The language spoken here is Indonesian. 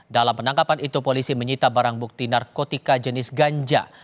dalam penangkapan itu polisi menyita barang bukti narkotika jenis ganja